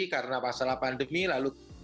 karena masalah pandemi lalu